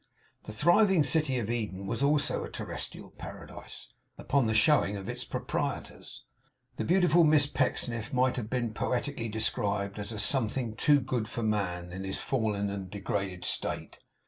The thriving city of Eden was also a terrestrial Paradise, upon the showing of its proprietors. The beautiful Miss Pecksniff might have been poetically described as a something too good for man in his fallen and degraded state.